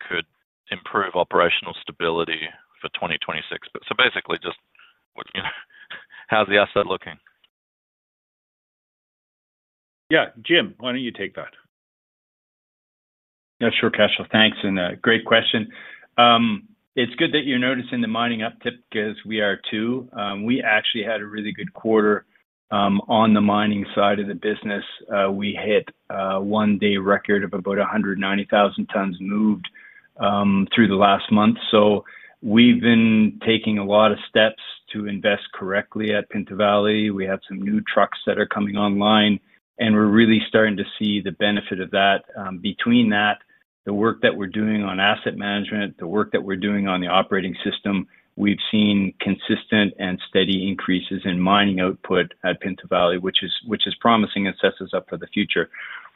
could improve operational stability for 2026? Basically, how's the asset looking? Yeah. Jim, why don't you take that? Yeah. Sure, Cashel. Thanks. Great question. It's good that you're noticing the mining uptick as we are too. We actually had a really good quarter on the mining side of the business. We hit a one-day record of about 190,000 tons moved through the last month. We've been taking a lot of steps to invest correctly at Pinto Valley. We have some new trucks that are coming online, and we're really starting to see the benefit of that. Between that, the work that we're doing on asset management, the work that we're doing on the operating system, we've seen consistent and steady increases in mining output at Pinto Valley, which is promising and sets us up for the future.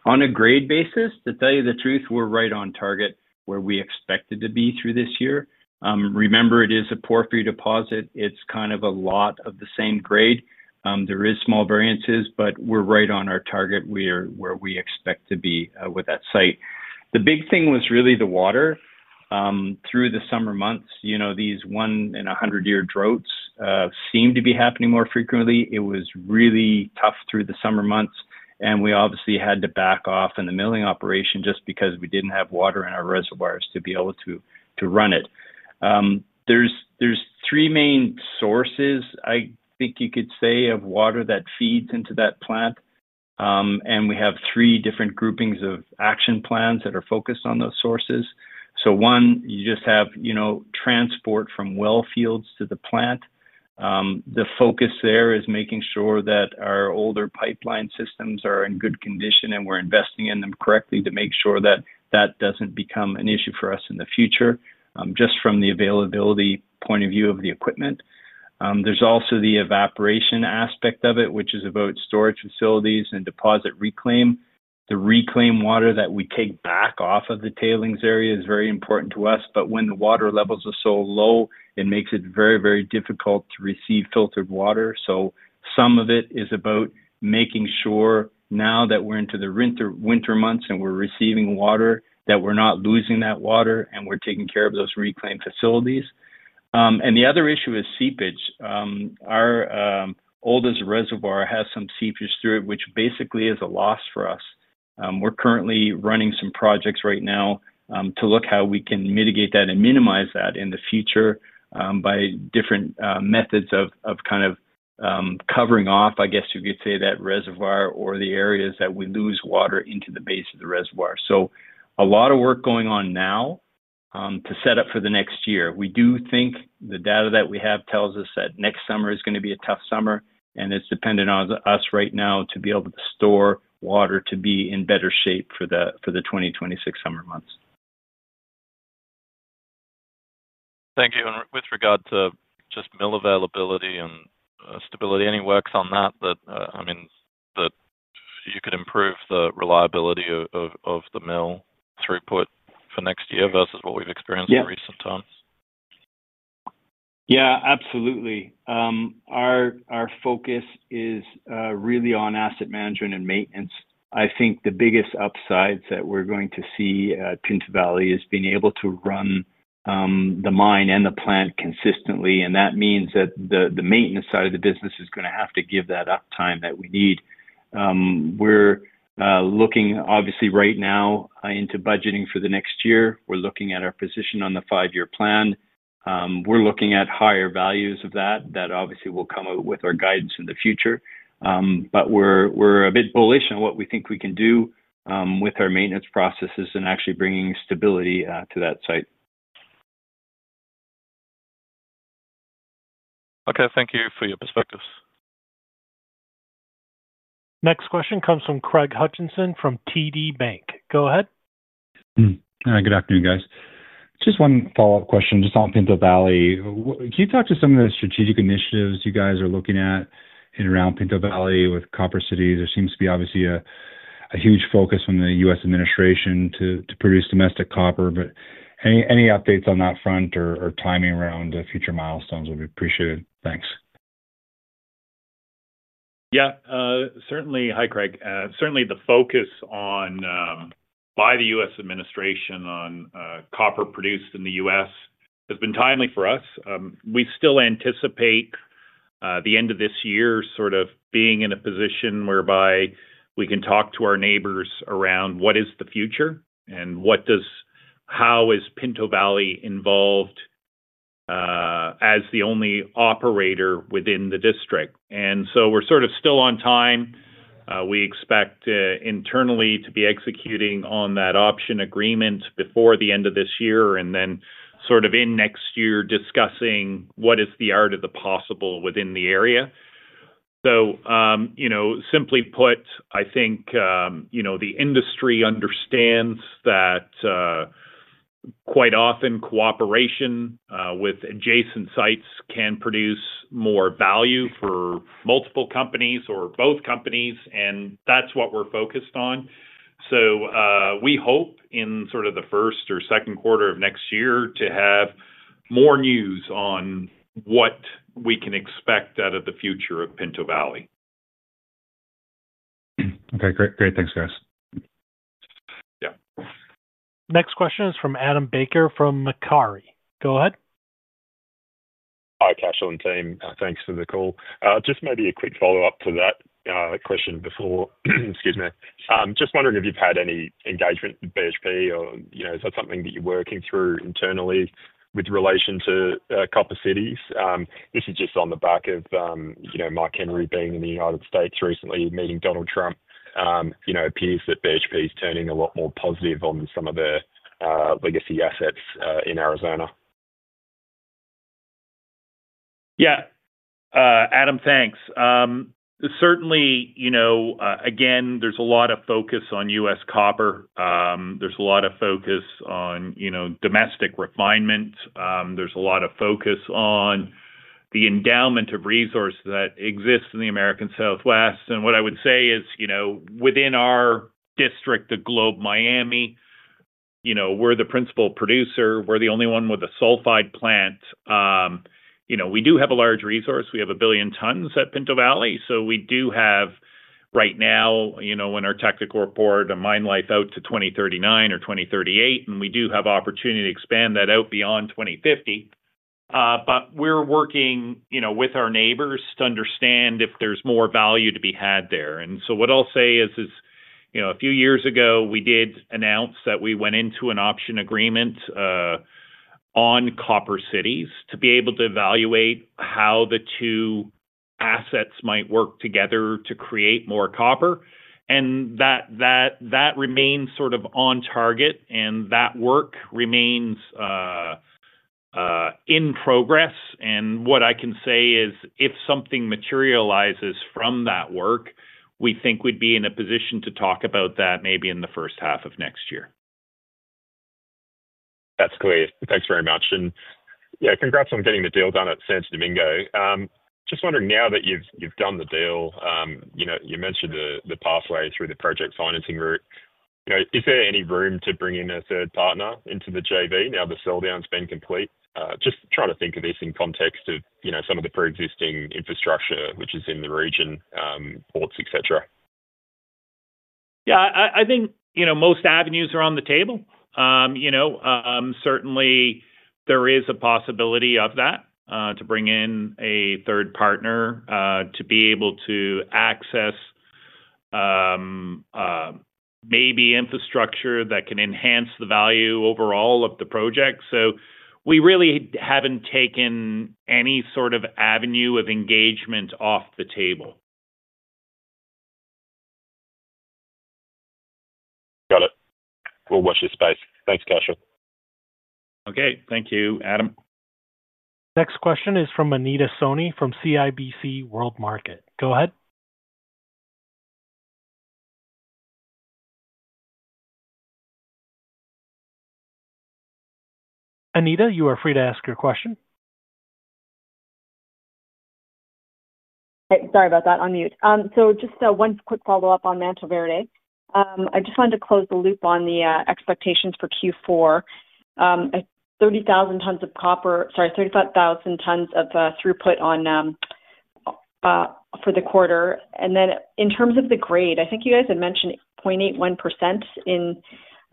On a grade basis, to tell you the truth, we're right on target where we expected to be through this year. Remember, it is a porphyry deposit. It's kind of a lot of the same grade. There are small variances, but we're right on our target where we expect to be with that site. The big thing was really the water. Through the summer months, these one in 100-year droughts seemed to be happening more frequently. It was really tough through the summer months, and we obviously had to back off in the milling operation just because we didn't have water in our reservoirs to be able to run it. There are three main sources, I think you could say, of water that feed into that plant. We have three different groupings of action plans that are focused on those sources. One, you just have transport from well fields to the plant. The focus there is making sure that our older pipeline systems are in good condition and we're investing in them correctly to make sure that doesn't become an issue for us in the future, just from the availability point of view of the equipment. There's also the evaporation aspect of it, which is about storage facilities and deposit reclaim. The reclaim water that we take back off of the tailings area is very important to us. When the water levels are so low, it makes it very, very difficult to receive filtered water. Some of it is about making sure now that we're into the winter months and we're receiving water, that we're not losing that water and we're taking care of those reclaim facilities. The other issue is seepage. Our oldest reservoir has some seepage through it, which basically is a loss for us. We're currently running some projects right now to look at how we can mitigate that and minimize that in the future by different methods of kind of. Covering off, I guess you could say, that reservoir or the areas that we lose water into the base of the reservoir. A lot of work going on now to set up for the next year. We do think the data that we have tells us that next summer is going to be a tough summer, and it's dependent on us right now to be able to store water to be in better shape for the 2026 summer months. Thank you. With regard to just mill availability and stability, any works on that, I mean, you could improve the reliability of the mill throughput for next year versus what we've experienced in recent times? Yeah. Absolutely. Our focus is really on asset management and maintenance. I think the biggest upside that we're going to see at Pinto Valley is being able to run the mine and the plant consistently. That means that the maintenance side of the business is going to have to give that uptime that we need. We're looking, obviously, right now into budgeting for the next year. We're looking at our position on the 5-year plan. We're looking at higher values of that. That obviously will come out with our guidance in the future. We're a bit bullish on what we think we can do with our maintenance processes and actually bringing stability to that site. Okay. Thank you for your perspectives. Next question comes from Craig Hutchison from TD Bank. Go ahead. Hi. Good afternoon, guys. Just one follow-up question. Just on Pinto Valley, can you talk to some of the strategic initiatives you guys are looking at around Pinto Valley with Copper Cities? There seems to be, obviously, a huge focus from the U.S. administration to produce domestic copper. Any updates on that front or timing around future milestones would be appreciated. Thanks. Certainly. Hi, Craig. The focus by the U.S. administration on copper produced in the U.S. has been timely for us. We still anticipate the end of this year being in a position whereby we can talk to our neighbors around what is the future and how is Pinto Valley involved. As the only operator within the district, we're still on time. We expect internally to be executing on that option agreement before the end of this year and then next year discussing what is the art of the possible within the area. Simply put, I think the industry understands that quite often cooperation with adjacent sites can produce more value for multiple companies or both companies, and that's what we're focused on. We hope in the first or second quarter of next year to have more news on what we can expect out of the future of Pinto Valley. Okay. Great. Thanks, guys. Yeah. Next question is from Adam Baker from Macquarie. Go ahead. Hi, Cashel and team. Thanks for the call. Just maybe a quick follow-up to that question. Just wondering if you've had any engagement with BHP or is that something that you're working through internally with relation to Copper Cities? This is just on the back of Mike Henry being in the United States recently meeting Donald Trump. It appears that BHP is turning a lot more positive on some of their legacy assets in Arizona. Yeah. Adam, thanks. Certainly. There's a lot of focus on U.S. copper. There's a lot of focus on domestic refinement. There's a lot of focus on the endowment of resources that exist in the American Southwest. What I would say is within our district, the Globe-Miami, we're the principal producer. We're the only one with a sulphide plant. We do have a large resource. We have a billion tons at Pinto Valley. We do have right now, in our technical report, a mine life out to 2039 or 2038, and we do have opportunity to expand that out beyond 2050. We're working with our neighbors to understand if there's more value to be had there. A few years ago, we did announce that we went into an option agreement on Copper Cities to be able to evaluate how the two assets might work together to create more copper. That remains sort of on target, and that work remains in progress. What I can say is if something materializes from that work, we think we'd be in a position to talk about that maybe in the first half of next year. That's great. Thanks very much. Yeah, congrats on getting the deal done at Santo Domingo. Just wondering now that you've done the deal, you mentioned the pathway through the project financing route. Is there any room to bring in a third partner into the JV now that sell-down's been complete? Just trying to think of this in context of some of the pre-existing infrastructure, which is in the region. Ports, etc. I think most avenues are on the table. Certainly, there is a possibility of that, to bring in a third partner to be able to access maybe infrastructure that can enhance the value overall of the project. We really haven't taken any sort of avenue of engagement off the table. Got it. We'll watch this space. Thanks, Cashel. Okay. Thank you, Adam. Next question is from Anita Soni from CIBC World Markets. Go ahead. Anita, you are free to ask your question. Sorry about that. On mute. Just one quick follow-up on Mantoverde. I just wanted to close the loop on the expectations for Q4. 30,000 tons of copper, sorry, 35,000 tons of throughput for the quarter. In terms of the grade, I think you guys had mentioned 0.81%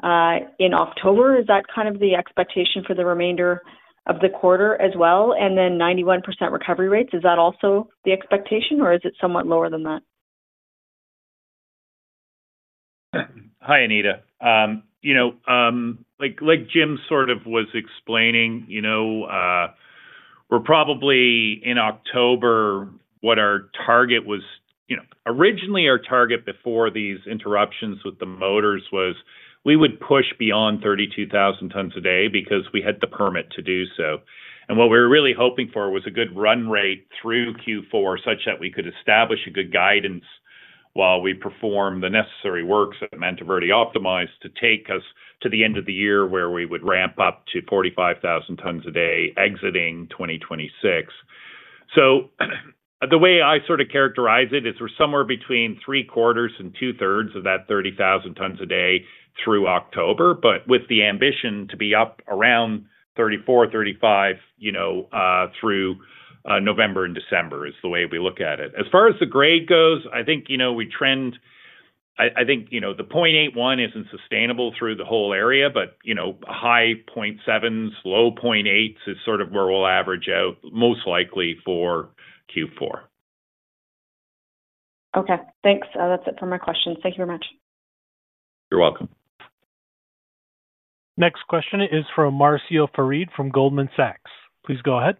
in October. Is that kind of the expectation for the remainder of the quarter as well? And then 91% recovery rates, is that also the expectation, or is it somewhat lower than that? Hi, Anita. Like Jim sort of was explaining, we're probably in October, what our target was—originally, our target before these interruptions with the motors was we would push beyond 32,000 tons a day because we had the permit to do so. What we were really hoping for was a good run rate through Q4 such that we could establish a good guidance while we perform the necessary works at Mantoverde Optimized to take us to the end of the year where we would ramp up to 45,000 tons a day exiting 2026. The way I sort of characterize it is we're somewhere between 3/4 and 2/3 of that 32,000 tons a day through October, but with the ambition to be up around 34,000 tons-35,000 tons through November and December is the way we look at it. As far as the grade goes, I think we trend—I think the 0.81% isn't sustainable through the whole area, but high 0.7%, low 0.8% is sort of where we'll average out most likely for Q4. Okay. Thanks. That's it for my questions. Thank you very much. You're welcome. Next question is from Marcio Farid from Goldman Sachs. Please go ahead.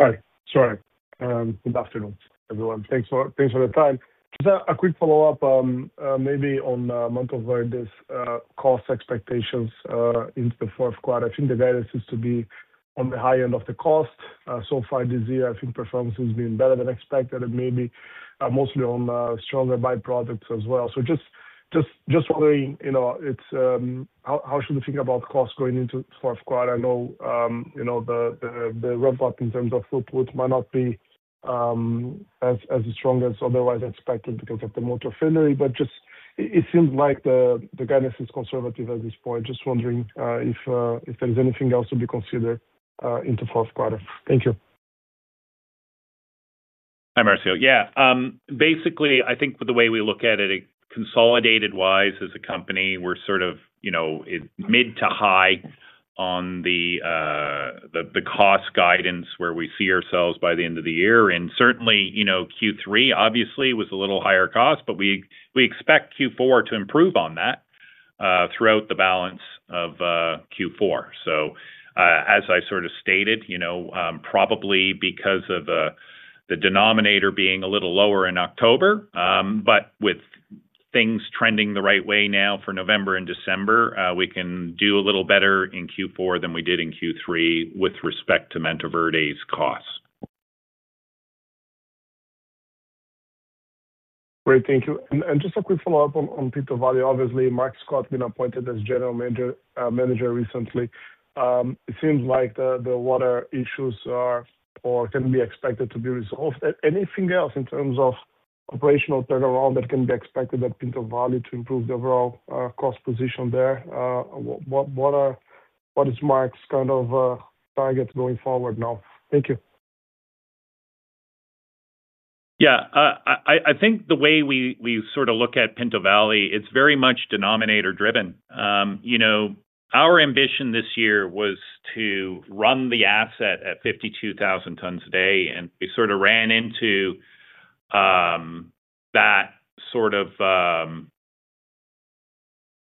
Hi. Good afternoon, everyone. Thanks for the time. Just a quick follow-up maybe on the amount of this cost expectations into the fourth quarter. I think the guidance is to be on the high end of the cost. So far this year, I think performance has been better than expected, and maybe mostly on stronger by-products as well. Just wondering how should we think about cost going into the fourth quarter? I know the ramp-up in terms of throughput might not be as strong as otherwise expected because of the motor failure, but it seems like the guidance is conservative at this point. Just wondering if there's anything else to be considered into the fourth quarter. Thank you. Hi, Marcio. Yeah. Basically, I think the way we look at it, consolidated-wise as a company, we're sort of mid to high on the cost guidance where we see ourselves by the end of the year. Q3 obviously was a little higher cost, but we expect Q4 to improve on that throughout the balance of Q4. As I sort of stated, probably because of the denominator being a little lower in October, but with things trending the right way now for November and December, we can do a little better in Q4 than we did in Q3 with respect to Mantoverde's cost. Great. Thank you. Just a quick follow-up on Pinto Valley. Obviously, Mark Scott has been appointed as General Manager recently. It seems like the water issues are or can be expected to be resolved. Anything else in terms of operational turnaround that can be expected at Pinto Valley to improve the overall cost position there? What is Mark's kind of target going forward now? Thank you. Yeah. I think the way we sort of look at Pinto Valley, it's very much denominator-driven. Our ambition this year was to run the asset at 52,000 tons a day, and we sort of ran into that sort of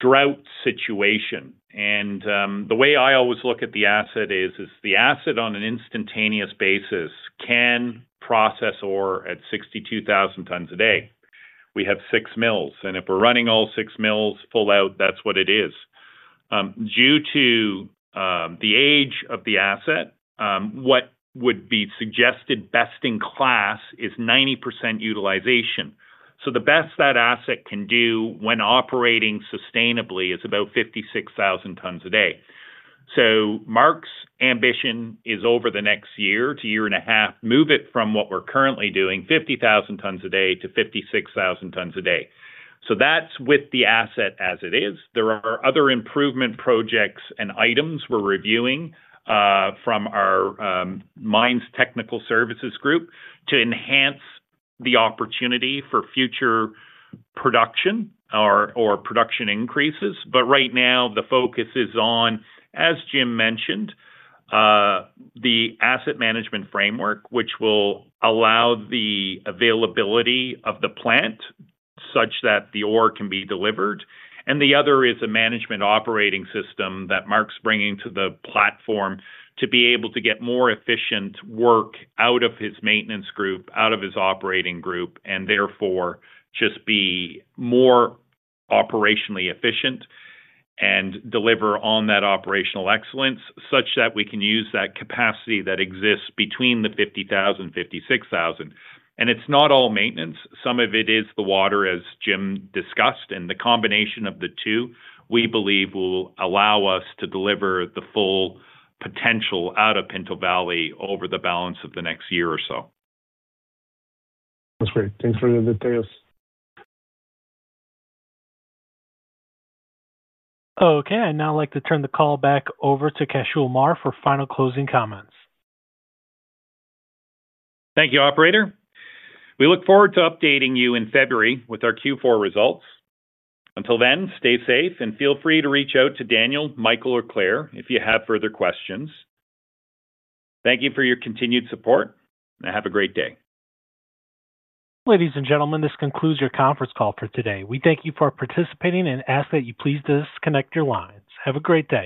drought situation. The way I always look at the asset is the asset on an instantaneous basis can process ore at 62,000 tons a day. We have six mills, and if we're running all six mills full out, that's what it is. Due to the age of the asset, what would be suggested best in class is 90% utilization. The best that asset can do when operating sustainably is about 56,000 tons a day. Mark's ambition is over the next year to year and a half, move it from what we're currently doing, 50,000 tons a day to 56,000 tons a day. That's with the asset as it is. There are other improvement projects and items we're reviewing from our Mines Technical Services group to enhance the opportunity for future production or production increases. Right now, the focus is on, as Jim mentioned, the asset management framework, which will allow the availability of the plant such that the ore can be delivered. The other is a management. Operating system that Mark's bringing to the platform to be able to get more efficient work out of his maintenance group, out of his operating group, and therefore just be more operationally efficient and deliver on that operational excellence such that we can use that capacity that exists between the 50,000 tons and 56,000 tons. It's not all maintenance. Some of it is the water, as Jim discussed, and the combination of the two, we believe, will allow us to deliver the full potential out of Pinto Valley over the balance of the next year or so. That's great. Thanks for the details. Okay. I'd now like to turn the call back over to Cashel Meagher for final closing comments. Thank you, Operator. We look forward to updating you in February with our Q4 results. Until then, stay safe and feel free to reach out to Daniel, Michael, or Claire if you have further questions. Thank you for your continued support, and have a great day. Ladies and gentlemen, this concludes your conference call for today. We thank you for participating and ask that you please disconnect your lines. Have a great day.